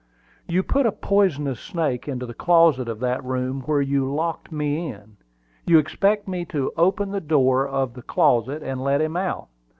"You put a poisonous snake into the closet of that room where you locked me in. You expected me to open the door of the closet, and let him out.